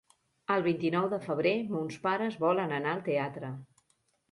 El vint-i-nou de febrer mons pares volen anar al teatre.